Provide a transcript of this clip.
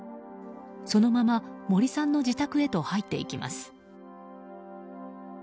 そのまま、モリさんの自宅へと入っていきます。